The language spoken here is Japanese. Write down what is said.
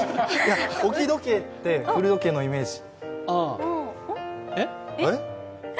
置き時計って古時計のイメージえっ？